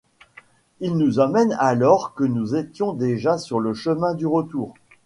Il nous emmène, alors que nous étions déjà sur le chemin du retour.